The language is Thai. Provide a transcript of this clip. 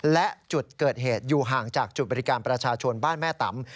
และจุดเกิดเหตุอยู่ห่างจากจุดบริการประชาชนบ้านแม่ตำ